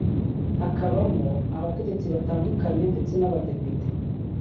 hakabamo abategetsi batandukanye ndetse n’abadepite